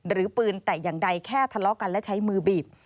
หรือปืนแต่อย่างใดแค่ทะเลาะกันและใช้มือบีบ